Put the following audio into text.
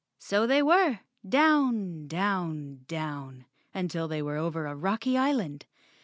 So they were, down—down—down, until they were over a rocky island.